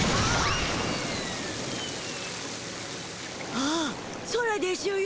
ああ空でしゅよ。